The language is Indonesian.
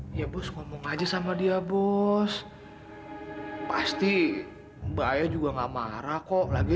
hai ya bos ngomong aja sama dia bos hai pasti baya juga nggak marah kok lagi